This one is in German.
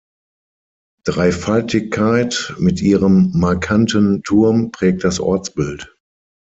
Dreifaltigkeit" mit ihrem markanten Turm prägt das Ortsbild.